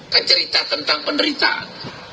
kan cerita tentang penderitaan